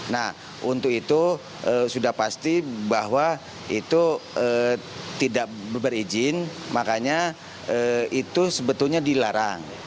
nah untuk itu sudah pasti bahwa itu tidak berizin makanya itu sebetulnya dilarang